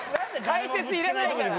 解説いらないから。